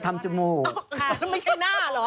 ไม่ใช่หน้าเหรอ